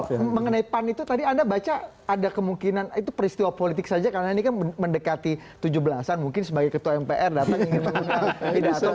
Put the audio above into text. tapi mengenai pan itu tadi anda baca ada kemungkinan itu peristiwa politik saja karena ini kan mendekati tujuh belas an mungkin sebagai ketua mpr datang ingin menggunakan pidato politik